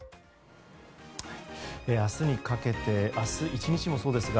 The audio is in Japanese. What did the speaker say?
明日にかけて明日１日もそうですが